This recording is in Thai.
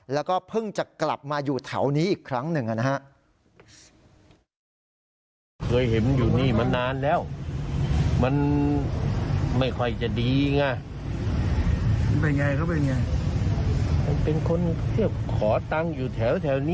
แล้วก็เพิ่งจะกลับมาอยู่แถวนี้อีกครั้งหนึ่งนะฮะ